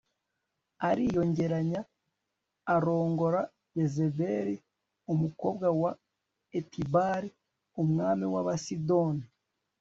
ariyongeranya arongora Yezebeli umukobwa wa Etibāli umwami wAbasidoni